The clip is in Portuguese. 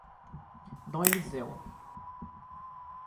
Dom Eliseu